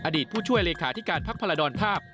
อดีตผู้ช่วยเลขาที่การพักพลดอนภาพ